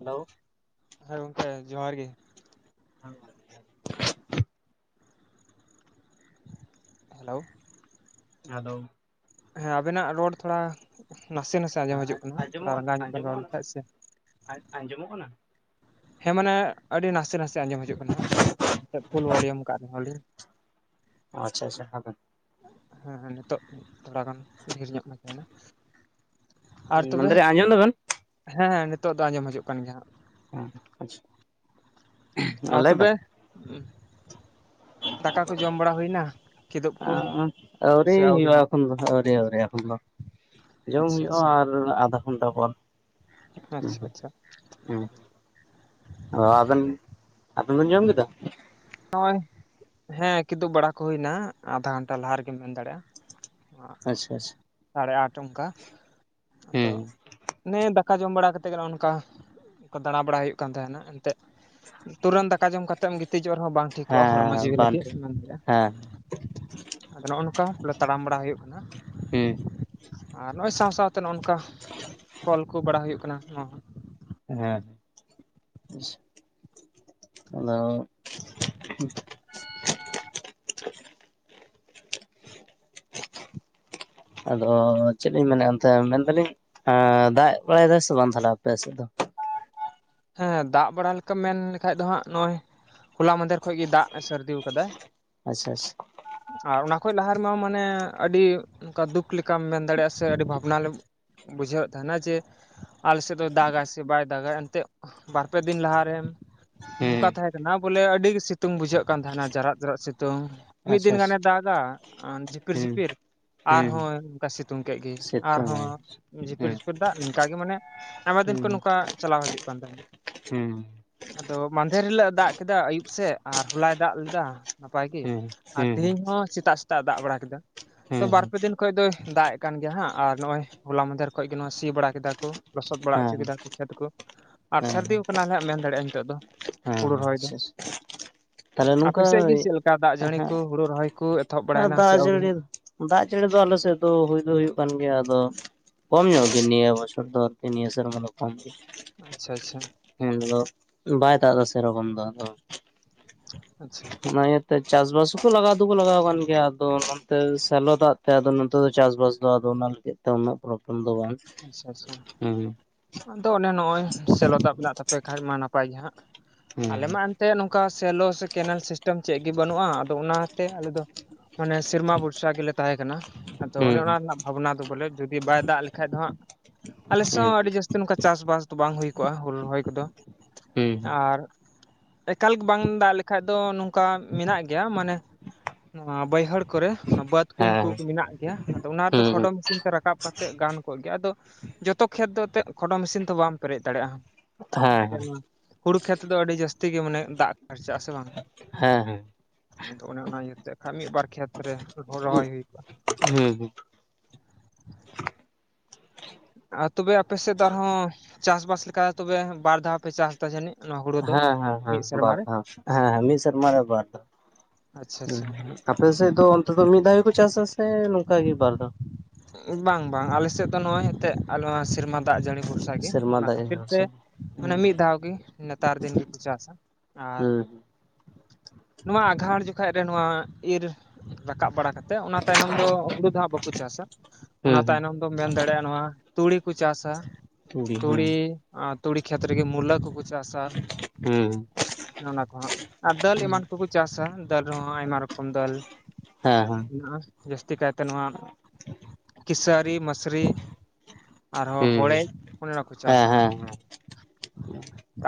Hello, ᱦᱮᱸ ᱜᱚᱝᱠᱮ ᱡᱚᱦᱟᱨ ᱜᱮ᱾ [unintelligible] ᱦᱮᱞᱳ, ᱟᱫᱚ, ᱦᱮᱸ ᱟᱵᱮᱱᱟᱜ ᱨᱚᱲ ᱛᱷᱚᱲᱟ ᱱᱟᱥᱮ ᱱᱟᱥᱮ ᱟᱸᱡᱚᱢ ᱦᱤᱡᱩᱜ ᱠᱟᱱᱟ ᱛᱷᱚᱲᱟ ᱨᱟᱸᱜᱟᱣ ᱧᱚᱜ ᱵᱮᱱ ᱨᱚᱲ ᱞᱮᱠᱷᱟᱡ ᱥᱮ, ᱟᱡ ᱟᱸᱡᱚᱢᱚᱜ ᱠᱟᱱᱟ? ᱦᱮᱸ ᱢᱟᱱᱮ ᱟᱹᱰᱤ ᱱᱟᱥᱮ ᱱᱟᱥᱮ ᱟᱸᱡᱚᱢ ᱦᱤᱡᱩᱜ ᱠᱟᱱᱟ ᱦᱟᱸᱜ [unintelligible] ᱯᱷᱩᱞ ᱵᱷᱚᱞᱤᱭᱟᱢ ᱠᱟᱜ ᱨᱮᱦᱚ ᱞᱤᱧ᱾ ᱟᱪᱪᱷᱟ ᱟᱪᱪᱷᱟ ᱦᱟᱯᱮ, ᱦᱮᱸ ᱦᱮᱸ ᱱᱤᱛᱚᱜ ᱛᱷᱚᱲᱟ ᱜᱟᱱ ᱰᱷᱮᱨ ᱧᱚᱜ [unintelligible] ᱛᱟᱦᱮᱱᱟ᱾ ᱟᱨ ᱛᱚᱵᱮ, ᱢᱮᱱᱫᱟᱞᱤᱧ ᱟᱸᱡᱚᱢ ᱫᱟᱵᱮᱱ ᱦᱮᱸ ᱱᱤᱛᱳᱜ ᱫᱚ ᱟᱸᱡᱚᱢ ᱦᱤᱡᱩᱜ ᱠᱟᱱ ᱜᱮᱭᱟ ᱦᱟᱸᱜ᱾ ᱦᱮᱸ ᱟᱪᱪᱷᱟ, ᱟᱨ ᱞᱟᱹᱭ ᱵᱮᱱ ᱛᱚᱵᱮ, ᱫᱟᱠᱟ ᱠᱚ ᱡᱚᱢ ᱵᱟᱲᱟ ᱦᱩᱭᱱᱟ ᱠᱤᱫᱩᱵ ᱠᱚ ᱟᱸ ᱟᱹᱣᱨᱤ ᱥᱮ ᱦᱩᱭᱩᱜᱼᱟ ᱦᱟᱸᱜ ᱮᱠᱷᱚᱱ ᱫᱚ ᱟᱹᱣᱨᱤ ᱟᱹᱣᱨᱤ ᱮᱠᱷᱚᱱ ᱫᱚ᱾ ᱡᱚᱢ ᱟᱪᱪᱷᱟ ᱦᱩᱭᱩᱜᱼᱟ ᱟᱪᱪᱷᱟ ᱟᱨ ᱟᱫᱷᱟ ᱜᱷᱚᱱᱴᱟ ᱯᱚᱨ᱾ ᱟᱪᱪᱷᱟ [unintelligible] ᱟᱪᱪᱷᱟ ᱦᱩᱸ ᱚ ᱟᱵᱮᱱ, ᱟᱵᱮᱱ ᱵᱮᱱ ᱡᱚᱢ ᱠᱮᱫᱟ? ᱱᱚᱜᱼᱚᱭ ᱦᱮᱸ ᱠᱤᱫᱩᱵ ᱵᱟᱲᱟ ᱠᱚ ᱦᱩᱭᱱᱟ ᱟᱫᱷᱟ ᱜᱷᱚᱱᱴᱟ ᱞᱟᱦᱟ ᱨᱮᱜᱮᱢ ᱢᱮᱱ ᱫᱟᱲᱮᱭᱟᱜᱼᱟ᱾ ᱟᱪᱪᱷᱟ ᱟᱪᱷᱟ, ᱥᱟᱲᱮ ᱟᱴ ᱚᱱᱠᱟ ᱟᱫᱚ, ᱚᱱᱮ ᱫᱟᱠᱟ ᱡᱚᱢ ᱵᱟᱲᱟ ᱠᱟᱛᱮ ᱜᱮ ᱱᱚᱜᱼᱚ ᱱᱚᱝᱠᱟ ᱫᱟᱬᱟ ᱵᱟᱲᱟ ᱦᱩᱭᱩᱜ ᱠᱟᱱ ᱛᱟᱦᱮᱱᱟ ᱮᱱᱛᱮᱜ᱾ ᱛᱩᱨᱟᱹᱱ ᱫᱟᱠᱟ ᱡᱚᱢ ᱠᱟᱛᱮᱢ ᱜᱤᱛᱤᱡᱚᱜ ᱨᱮᱦᱚᱸ ᱵᱟᱝ ᱴᱷᱤᱠᱚᱜᱼᱟ ᱦᱚᱲᱢᱚ ᱦᱮᱸ ᱡᱤᱣᱤ ᱵᱟᱝ ᱞᱟᱹᱜᱤᱫ᱾ ᱴᱷᱤᱠ ᱦᱮᱸ [unintelligible] ᱟᱫᱚ ᱱᱚᱜᱼᱚ ᱱᱚᱝᱠᱟ ᱵᱚᱞᱮ ᱛᱟᱲᱟᱢ ᱵᱟᱲᱟ ᱦᱩᱭᱩᱜ ᱠᱟᱱᱟ᱾ ᱦᱩᱸ, ᱟᱨ ᱱᱚᱜᱼᱚᱭ ᱥᱟᱸᱶ ᱥᱟᱸᱶᱛᱮ ᱱᱚᱼᱱᱚᱝᱠᱟ᱾ [inaudible] ᱠᱚᱞ ᱠᱚ ᱵᱟᱲᱟ ᱦᱩᱭᱩᱜ ᱠᱟᱱᱟ ᱱᱚᱶᱟ ᱦᱮᱸ ᱟᱫᱚ, [inaudible] ᱟᱫᱚ ᱪᱮᱫ ᱞᱤᱧ ᱢᱮᱱᱮᱫᱼᱟ ᱚᱱᱛᱮ ᱢᱮᱱ ᱫᱟᱞᱤᱧ ᱦᱮᱸ ᱫᱟᱜ ᱵᱟᱲᱟᱭ ᱫᱟᱭ ᱥᱮ ᱵᱟᱝ ᱛᱟᱦᱞᱮ ᱟᱯᱮ ᱥᱮᱫ ᱫᱚ? ᱦᱮᱸ ᱫᱟᱜ ᱵᱟᱲᱟ ᱞᱮᱠᱟᱢ ᱢᱮᱱ ᱞᱮᱠᱷᱟᱡ ᱫᱚ ᱦᱟᱸᱜ ᱱᱚᱜᱼᱚᱭ ᱦᱚᱞᱟ ᱢᱟᱫᱷᱮᱨ ᱠᱷᱚᱡ ᱜᱮ ᱫᱟᱜ ᱥᱟᱹᱨᱫᱤ ᱟᱠᱟᱫᱟᱭ᱾ ᱟᱪᱷᱟ ᱟᱪᱷᱟ᱾ ᱟᱨ ᱚᱱᱟ ᱠᱷᱚᱡ ᱞᱟᱦᱟ ᱨᱮᱢᱟ ᱢᱟᱱᱮ ᱟᱹᱰᱤ ᱚᱱᱠᱟ ᱫᱩᱠ ᱞᱮᱠᱟᱢ ᱢᱮᱱ ᱫᱟᱲᱮᱭᱟᱜᱼᱟ ᱥᱮ ᱟᱹᱰᱤ ᱵᱷᱟᱵᱽᱱᱟ ᱞᱮ ᱵᱩᱡᱷᱟᱹᱣᱮᱫ ᱛᱟᱦᱮᱱᱟ ᱡᱮ ᱟᱞᱮ ᱥᱮᱫ ᱫᱚ ᱫᱟᱜᱟᱭ ᱥᱮ ᱵᱟᱭ ᱫᱟᱜᱟᱭ ᱮᱱᱛᱮ, ᱵᱟᱨ ᱯᱮ ᱫᱤᱱ ᱞᱟᱦᱟᱨᱮᱢᱼᱼ ᱦᱩᱸ ᱱᱚᱝᱠᱟ ᱛᱟᱦᱮᱸ ᱠᱟᱱᱟ ᱵᱚᱞᱮ ᱟᱹᱰᱤ ᱜᱮ ᱥᱤᱛᱩᱝ ᱵᱩᱡᱷᱟᱹᱜ ᱠᱟᱱ ᱛᱟᱦᱮᱱᱟ ᱡᱟᱨᱟᱜ ᱡᱟᱨᱟᱜ ᱥᱤᱛᱩᱝ᱾ ᱢᱤᱫ ᱟᱪᱪᱷᱟ ᱫᱤᱱ ᱜᱟᱱᱮ ᱟᱪᱪᱷᱟ ᱫᱟᱜᱟ ᱡᱤᱯᱤᱨ ᱦᱩᱸ ᱡᱤᱯᱤᱨ, ᱦᱩᱸ ᱟᱨᱦᱚᱸ ᱚᱱᱠᱟ ᱥᱤᱛᱩᱝ ᱠᱮᱫ ᱜᱮ ᱥᱤᱛᱩᱝ ᱟᱨᱦᱚᱸ ᱡᱷᱤᱯᱤᱨ ᱟᱭ ᱡᱷᱤᱯᱤᱨ ᱫᱟᱜ ᱱᱚᱝᱠᱟᱜᱮ ᱟᱭᱢᱟ ᱫᱤᱱ ᱠᱷᱚᱱ ᱦᱮᱸ ᱱᱚᱝᱠᱟ ᱪᱟᱞᱟᱣ ᱦᱤᱡᱩᱜ ᱠᱟᱱᱟ᱾ [unintelligible] ᱦᱩᱸ ᱟᱫᱚ ᱢᱟᱫᱷᱮᱨ ᱦᱤᱞᱚᱹᱜ-ᱮ ᱫᱟᱜ ᱠᱮᱫᱟ ᱟᱹᱭᱩᱵ ᱥᱮᱜ ᱟᱨ ᱦᱚᱞᱟᱭ ᱫᱟᱜ ᱞᱮᱫᱟ᱾ ᱱᱟᱯᱟᱭ ᱜᱮ ᱦᱩᱸ ᱟᱨ ᱦᱩᱸ ᱛᱮᱦᱮᱧ ᱦᱚᱸ ᱥᱮᱛᱟᱜ ᱥᱮᱛᱟᱜ-ᱮ ᱫᱟᱜ ᱵᱟᱲᱟ ᱠᱮᱫᱟ ᱛᱚ ᱦᱩᱸ ᱵᱟᱨᱯᱮ ᱫᱤᱱ ᱠᱷᱚᱡ ᱫᱚᱭ ᱫᱟᱜ-ᱮ᱾ ᱠᱟᱱ ᱜᱮ ᱦᱟᱸᱜ ᱟᱨ ᱱᱚᱜᱼᱚᱭ ᱦᱚᱞᱟ ᱢᱟᱦᱫᱷᱮᱨ ᱠᱷᱚᱡ ᱜᱮ ᱱᱚᱣᱟ ᱥᱤ ᱵᱟᱲᱟ ᱠᱮᱫᱟ ᱠᱩ ᱞᱚᱥᱚᱫ ᱵᱟᱲᱟ ᱦᱩᱪᱚ ᱦᱩᱸ ᱠᱮᱫᱟ ᱠᱚ ᱠᱷᱮᱛ ᱠᱩ᱾ ᱦᱮᱸ ᱟᱨ ᱥᱟᱨᱫᱤᱣ ᱠᱟᱱᱟ ᱦᱟᱸᱜ ᱢᱮᱱ ᱫᱟᱲᱮᱭᱟᱜᱼᱟ ᱱᱤᱛᱚᱜ ᱫᱚ᱾ ᱦᱩᱲᱩ ᱦᱮᱸ ᱦᱮᱸ ᱨᱚᱦᱚᱭ ᱫᱚ [unintelligible] ᱛᱟᱦᱞᱮ ᱟᱯᱮ ᱱᱚᱝᱠᱟ ᱥᱮᱫ ᱜᱮ ᱪᱮᱫ ᱞᱮᱠᱟ ᱫᱟᱜ ᱡᱟᱹᱲᱤ ᱠᱚ ᱮᱦᱮᱜᱸ ᱦᱩᱲᱩ ᱨᱚᱦᱚᱭ ᱠᱚ ᱮᱛᱚᱦᱚᱵ ᱟᱨ ᱵᱟᱲᱟᱭᱮᱱᱟ ᱫᱟᱜ ᱥᱮ ᱟᱹᱣᱨᱤ? ᱡᱟᱹᱲᱤ ᱫᱚ ᱫᱟᱜ ᱡᱟᱹᱲᱤ ᱫᱚ ᱟᱞᱮ ᱥᱮᱫ ᱫᱚ ᱦᱩᱭ ᱫᱚ ᱦᱩᱭᱩᱜ ᱠᱟᱱ ᱜᱮᱭᱟ ᱟᱫᱚ, ᱠᱚᱢ ᱧᱚᱜ ᱜᱮ ᱱᱤᱭᱟᱹ ᱵᱚᱪᱷᱚᱨ ᱫᱚ ᱟᱹᱨᱠᱤ ᱱᱤᱭᱟᱹ ᱥᱮᱨᱢᱟ ᱢᱟᱱᱮ ᱠᱚᱢ ᱜᱮ᱾ ᱟᱪᱪᱷᱟ ᱟᱪᱪᱷᱟ᱾ [unintelligible] ᱵᱟᱭ ᱫᱟᱜ ᱫᱟ ᱥᱮᱨᱚᱠᱚᱢ ᱫᱚ ᱟᱫᱚ᱾ ᱟᱪᱪᱷᱟ [unintelligible] ᱛᱮ ᱪᱟᱥ ᱵᱟᱥ ᱦᱩᱸᱠᱚ ᱞᱟᱜᱟᱣ ᱫᱚᱠᱚ ᱞᱟᱜᱟᱣ ᱟᱠᱟᱱ ᱜᱮᱭᱟ ᱟᱫᱚ ᱱᱚᱱᱛᱮ ᱥᱮᱞᱚ ᱫᱟᱜ ᱛᱮ ᱟᱫᱚ ᱱᱚᱛᱮ ᱫᱚ ᱪᱟᱥ ᱵᱟᱥ ᱫᱚ ᱟᱫᱚ ᱚᱱᱟ ᱛᱮᱛ ᱛᱮ ᱩᱱᱚᱹᱜ [unintelligible] ᱫᱚ ᱵᱚᱱ᱾ ᱟᱪᱪᱷᱟ ᱟᱪᱪᱷᱟ, ᱟᱫᱚ ᱚᱱᱮ ᱱᱚᱜᱼᱚᱭ ᱥᱮᱞᱚ ᱫᱟᱜ ᱢᱮᱱᱟᱜ ᱛᱟᱯᱮ ᱠᱷᱟᱡ ᱢᱟ ᱱᱟᱯᱟᱭ ᱜᱮ ᱦᱟᱸᱜ ᱦᱩᱸ ᱟᱞᱮ ᱢᱟ ᱛᱮ ᱱᱚᱝᱠᱟ ᱥᱮᱞᱚ ᱥᱮ ᱠᱮᱱᱮᱞ ᱥᱤᱥᱴᱮᱢ ᱪᱮᱜ ᱜᱮ ᱵᱟᱹᱱᱩᱜᱼᱟ ᱟᱫᱚ ᱚᱱᱟᱛᱮ ᱟᱞᱮ ᱫᱚ, ᱢᱟᱱᱮ ᱥᱮᱨᱢᱟ ᱵᱷᱚᱨᱥᱟ ᱜᱮᱞᱮ ᱛᱟᱦᱮᱸ ᱠᱟᱱᱟ ᱟᱫᱚ ᱚᱱᱮ ᱦᱩᱸ ᱚᱱᱟ ᱨᱮᱱᱟᱜ ᱵᱷᱟᱵᱱᱟ ᱫᱚ ᱵᱚᱞᱮ ᱡᱩᱫᱤ ᱵᱟᱭ ᱫᱟᱜ ᱞᱮᱠᱷ ᱠᱷᱟᱡ ᱫᱚ ᱦᱟᱸᱜ ᱟᱞᱮᱥᱮ ᱦᱩᱸ ᱦᱚᱸ ᱦᱩᱸ ᱟᱹᱰᱤ ᱡᱟᱹᱥᱛᱤ ᱱᱚᱝᱠᱟ ᱪᱟᱥᱵᱟᱥ ᱫᱚ ᱵᱟᱝ ᱦᱩᱭ ᱠᱚᱜᱼᱟ ᱦᱩᱲᱩ ᱨᱚᱦᱚᱭ ᱠᱚᱫᱚ᱾ ᱦᱩᱸ ᱟᱨ ᱮᱠᱟᱞ ᱜᱮ ᱵᱟᱝ ᱫᱟᱜ ᱞᱮᱠᱷᱟᱡ ᱫᱚ ᱱᱚᱝᱠᱟ ᱢᱮᱱᱟᱜ ᱜᱮᱭᱟ ᱢᱟᱱᱮ, ᱱᱚᱣᱟ ᱵᱟᱹᱭᱦᱟᱹᱲ ᱠᱚᱨᱮ ᱵᱟᱹᱫᱽ ᱠᱩᱧ ᱦᱮᱸ ᱠᱩᱠᱩ ᱢᱮᱱᱟᱜ ᱜᱮᱭᱟ ᱟᱫᱚ ᱚᱱᱟ ᱨᱮᱫᱚ ᱠᱷᱚᱰᱚ ᱦᱩᱸ ᱢᱮᱥᱤᱱ ᱛᱮ ᱨᱟᱠᱟᱵ ᱠᱟᱛᱮᱜ ᱜᱟᱱ ᱠᱚᱜ ᱜᱮ ᱟᱫᱚ ᱡᱚᱛᱚ ᱠᱷᱮᱛ ᱫᱚ ᱛᱮᱜ ᱠᱷᱚᱰᱚ ᱢᱤᱥᱤᱱ ᱛᱚ ᱵᱟᱢ ᱯᱮᱨᱮᱡ ᱫᱟᱲᱮᱭᱟᱜᱼᱟ ᱦᱮᱸ [unintelligible] ᱦᱮᱸ ᱦᱩᱲᱩ ᱠᱷᱮᱛ ᱫᱚ ᱟᱹᱰᱤ ᱡᱟᱹᱥᱛᱤ ᱜᱮ ᱢᱟᱱᱮ ᱫᱟᱜ ᱠᱷᱟᱨᱪᱟᱜ-ᱟ ᱥᱮ ᱵᱟᱝ? ᱦᱮᱸ ᱦᱮᱸ, ᱟᱫᱚ ᱚᱱᱮ ᱚᱱᱟ ᱤᱭᱟᱹᱛᱮ ᱠᱷᱟᱱ ᱢᱤᱫᱵᱟᱨ ᱠᱷᱮᱛᱨᱮ ᱨᱚᱦᱚᱭ ᱦᱩᱭ ᱠᱚᱜᱼᱟ᱾ ᱦᱩᱸ ᱦᱩᱸ᱾ ᱟᱸ ᱛᱚᱵᱮ ᱟᱯᱮ ᱥᱮᱫ ᱟᱨᱦᱚᱸ, ᱪᱟᱥᱵᱟᱥ ᱞᱮᱠᱟ ᱛᱚᱵᱮ ᱵᱟᱨ ᱫᱷᱟᱣ ᱯᱮ ᱪᱟᱥ ᱫᱟ ᱡᱟᱹᱱᱤᱡ ᱱᱚᱣᱟ ᱦᱩᱲᱩ ᱫᱚ? ᱦᱮ ᱢᱤᱫ ᱥᱮᱨᱢᱟ ᱵᱟᱨ ᱨᱮ ᱫᱷᱟᱣ ᱦᱮᱸ ᱦᱮᱸ ᱢᱤᱫ ᱥᱮᱨᱢᱟ ᱨᱮ ᱵᱟᱨ ᱫᱷᱟᱣ᱾ ᱟᱪᱪᱷᱟ ᱟᱪᱪᱷᱟ [unintelligible] ᱟᱯᱮ ᱥᱮᱫ ᱫᱚ ᱚᱱᱛᱮ ᱫᱚ ᱢᱤᱫ ᱫᱷᱟᱣ ᱜᱮᱠᱚ ᱪᱟᱥᱟ ᱥᱮ ᱱᱚᱝᱠᱟ ᱜᱮ ᱵᱟᱨ ᱫᱷᱟᱣ? ᱵᱟᱝ ᱵᱟᱝ ᱟᱞᱮ ᱥᱮᱫ ᱫᱚ ᱱᱚᱜᱼᱚᱭ ᱮᱱᱛᱮᱜ [unintelligible] ᱱᱚᱣᱟ ᱥᱮᱨᱢᱟ ᱫᱟᱜ ᱡᱟᱹᱲᱤ ᱵᱷᱚᱨᱥᱟ ᱜᱮ ᱥᱮᱨᱢᱟ ᱚᱱᱟ ᱫᱟᱜ ᱦᱮᱸ ᱠᱷᱟᱹᱛᱤᱨ ᱛᱮ ᱦᱩᱸ ᱢᱟᱱᱮ ᱢᱤᱫ ᱫᱷᱟᱣ ᱜᱮ ᱱᱮᱛᱟᱨ ᱫᱤᱱ ᱜᱮᱠᱩ ᱪᱟᱥ-ᱟ᱾ ᱟᱨ ᱦᱩᱸ [inaudible] ᱱᱚᱣᱟ ᱟᱸᱜᱷᱟᱲ ᱡᱚᱠᱷᱟᱡ ᱨᱮ ᱱᱚᱣᱟ ᱤᱨ ᱨᱟᱠᱟᱵ ᱵᱟᱲᱟ ᱠᱟᱛᱮᱜ ᱚᱱᱟ ᱛᱟᱭᱱᱚᱢ ᱫᱚ ᱦᱩᱲᱩ ᱫᱚ ᱦᱟᱸᱜ ᱵᱟᱠᱩ ᱪᱟᱥ-ᱟ᱾ ᱦᱩᱸ ᱚᱱᱟ ᱦᱩᱸ, ᱛᱟᱭᱱᱚᱢ ᱫᱚᱢ ᱢᱮᱱ ᱫᱟᱲᱮᱭᱟᱜᱼᱟ ᱱᱚᱣᱟ ᱛᱩᱲᱤ ᱠᱩ ᱪᱟᱥ-ᱟ ᱛᱩᱲᱤ, ᱟᱸ ᱛᱩᱲᱤ ᱠᱷᱮᱛ ᱨᱮᱜᱮ ᱢᱩᱞᱟᱹ ᱠᱚᱠᱩ ᱪᱟᱥ-ᱟ ᱦᱩᱸ ᱦᱮᱸ ᱦᱮᱸ ᱚᱱᱟ ᱠᱚ ᱦᱟᱸᱜ᱾ ᱟᱨ ᱫᱟᱹᱞ ᱮᱢᱟᱱ ᱠᱚᱠᱩ ᱪᱟᱥᱟ ᱫᱟᱹᱞ ᱨᱮᱦᱚᱸ ᱟᱭᱢᱟ ᱨᱚᱠᱚᱢ ᱫᱟᱹᱞ, ᱦᱮᱸ ᱦᱮᱸ, ᱢᱮᱱᱟᱜᱼᱟ ᱡᱟᱹᱥᱛᱤ ᱠᱟᱭᱛᱮ ᱱᱚᱣᱟ ᱠᱮᱥᱟᱹᱨᱤ ᱢᱟᱹᱥᱨᱤ, ᱟᱨᱦᱚᱸ ᱦᱚᱲᱮᱡ ᱚᱱᱮ ᱚᱱᱟᱠᱚ ᱦᱮᱸ ᱪᱟᱥᱟ ᱦᱮᱸ ᱦᱟᱸᱜ᱾ ᱦᱮᱸ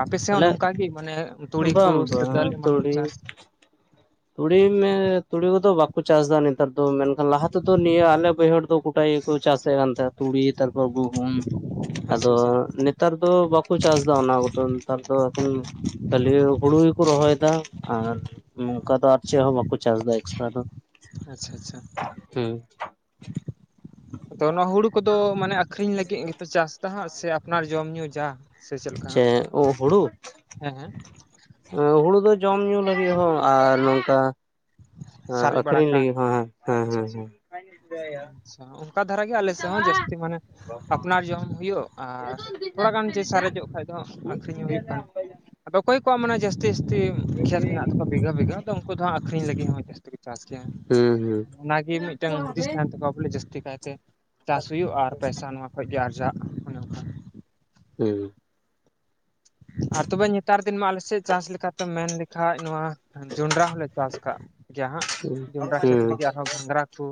ᱟᱯᱮ ᱥᱮᱜ ᱦᱚᱸ ᱛᱟᱦᱞᱮ ᱱᱚᱝᱠᱟ ᱜᱤ ᱢᱟᱱᱮ ᱛᱩᱲᱤ ᱠᱩ ᱵᱟᱝ ᱥᱮ ᱵᱟᱝ ᱫᱟᱹᱞ ᱮᱢᱟᱱ ᱠᱩ ᱪᱟᱥ ᱛᱩᱲᱤᱢᱮ ᱛᱩᱲᱤ ᱠᱚᱫᱚ ᱵᱟᱠᱚ ᱪᱟᱥ-ᱟ ᱱᱮᱛᱟᱨ ᱫᱚ ᱢᱮᱱᱠᱷᱟᱱ ᱞᱟᱦᱟ ᱛᱮᱫᱚ ᱱᱤᱭᱟᱹ ᱟᱞᱮ ᱵᱟᱹᱭᱦᱟᱹᱲ ᱫᱚ, ᱜᱩᱴᱟ ᱜᱮᱠᱚ ᱪᱟᱥᱮᱜ ᱠᱟᱱ ᱛᱟᱦᱮᱸ ᱛᱩᱲᱤ ᱛᱟᱨᱯᱚᱨ ᱜᱩᱦᱩᱢ ᱟᱪᱪᱷᱟ ᱟᱫᱚ ᱟᱪᱪᱷᱟ ᱱᱮ ᱛᱟᱨ ᱫᱚ ᱵᱟᱠᱩ ᱪᱟᱥ ᱫᱟ ᱚᱱᱟ ᱠᱚᱫᱚ ᱱᱮᱛᱟᱨ ᱫᱚ ᱮᱠᱷᱚᱱ ᱠᱷᱟᱹᱞᱭᱟᱹ ᱦᱩᱲᱩ ᱜᱤᱠᱚ ᱨᱚᱦᱚᱭ ᱮᱫᱟ ᱟᱨ ᱚᱝᱠᱟ ᱫᱚ ᱟᱨ ᱪᱮᱫ ᱦᱚᱸ ᱵᱟᱠᱚ ᱪᱟᱥ ᱫᱟ ᱮᱠᱥᱴᱨᱟ ᱫᱚ᱾ ᱟᱪᱪᱷᱟ ᱟᱪᱪᱷᱟ᱾ ᱦᱩᱸ ᱟᱫᱚ ᱚᱱᱟ ᱦᱩᱲᱩ ᱠᱚᱫᱚ ᱢᱟᱱᱮ ᱟᱹᱠᱷᱨᱤᱧ ᱞᱟᱹᱜᱤᱫ ᱜᱮᱯᱮ ᱪᱟᱥᱫᱟ ᱦᱟᱸᱜ ᱥᱮ ᱟᱯᱱᱟᱨ ᱡᱚᱢ ᱧᱩ ᱡᱟ ᱥᱮ ᱪᱮᱫ ᱞᱮᱠᱟ ᱦᱟᱸᱜ ᱦᱮᱸ? ᱚ ᱦᱩᱲᱩ ᱫᱚ ᱡᱚᱢ ᱧᱩ ᱞᱟᱹᱜᱤᱫ ᱦᱚᱸ ᱟᱨ ᱱᱚᱝᱠᱟ ᱦᱮᱸ ᱥᱟᱨᱮᱡ ᱵᱟᱲᱟ ᱟᱹᱠᱷᱨᱤᱧ ᱠᱟᱜ ᱞᱟᱹᱜᱤᱫ ᱦᱮᱸ ᱦᱮᱸ ᱦᱮᱸ᱾ ᱦᱮᱸ ᱚᱱᱠᱟ ᱫᱷᱟᱨᱟ ᱜᱮ ᱟᱞᱮ ᱥᱮᱫ ᱦᱚᱸ ᱡᱟᱹᱥᱛᱤ ᱢᱟᱱᱮ ᱟᱯᱱᱟᱨ ᱡᱚᱢ ᱦᱩᱭᱩᱜ ᱟᱨ ᱛᱚᱲᱟᱜᱟᱱ ᱡᱮ ᱥᱟᱨᱮᱡᱚᱜ ᱠᱷᱟᱱ ᱫᱚ ᱦᱩᱸ ᱟᱹᱠᱷᱨᱤᱧ ᱦᱚᱸ ᱦᱩᱸ ᱦᱩᱭᱩᱜ ᱠᱟᱱ ᱟᱫᱚ ᱚᱠᱚᱭ ᱠᱚᱣᱟᱜ ᱢᱟᱱᱮ ᱡᱟᱹᱥᱛᱤ ᱡᱟᱹᱥᱛᱤ ᱠᱷᱮᱛ ᱢᱮᱱᱟᱜ ᱛᱟᱠᱚᱣᱟ ᱵᱤᱜᱷᱟᱹ ᱵᱤᱜᱷᱟᱹ ᱟᱫᱚ ᱩᱱᱠᱩ ᱫᱚ ᱦᱟᱸᱜ ᱟᱠᱷᱨᱤᱧ ᱞᱟᱹᱜᱤᱫ ᱦᱚᱸ ᱡᱟᱥ ᱛᱤ ᱪᱟᱥ ᱜᱮᱭᱟ ᱚᱱᱟᱜᱮ ᱢᱤᱫᱴᱟᱝ ᱦᱩᱫᱤᱥ ᱛᱟᱦᱮᱱ ᱛᱟᱠᱚᱣᱟ ᱵᱚᱞᱮ ᱡᱟᱹᱥᱛᱤ ᱠᱟᱭᱛᱮ ᱪᱟᱥ ᱦᱩᱭᱩᱜᱼᱟ ᱟᱨ ᱯᱮᱭᱥᱟ ᱱᱚᱣᱟ ᱠᱷᱚᱡ ᱜᱮ ᱟᱨᱡᱟᱜ ᱚᱱᱮ ᱚᱱᱠᱟ ᱦᱩᱸ᱾ ᱟᱨ ᱛᱚᱵᱮ ᱱᱮᱛᱟᱨ ᱫᱤᱱ ᱢᱟ ᱟᱞᱮ ᱥᱮᱫ ᱪᱟᱥ ᱞᱮᱠᱟᱛᱮ ᱢᱮᱱ ᱞᱮᱠᱷᱟᱡ ᱱᱚᱣᱟ ᱡᱚᱸᱰᱨᱟ ᱦᱚᱸᱞᱮ ᱪᱟᱥ ᱠᱟᱜ ᱜᱮᱭᱟ ᱦᱟᱸᱜ ᱡᱚᱸᱰᱨᱟ ᱠᱷᱮᱛ ᱦᱩᱸ ᱦᱩᱸ ᱨᱮᱜᱮ ᱟᱨᱦᱚᱸ ᱜᱷᱟᱸᱜᱽᱨᱟ ᱠᱩ